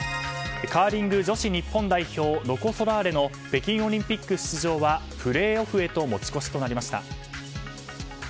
カーリング女子日本代表ロコ・ソラーレの北京オリンピック出場はプレーオフへと持ち越しとなりました。